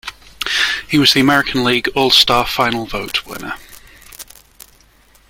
He was the American League All-Star Final Vote winner.